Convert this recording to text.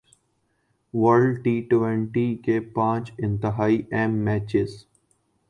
world T twenty کے پانچ انتہائی اہم میچز